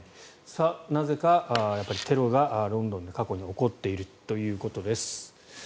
なぜかテロがロンドンで過去に起こっているということです。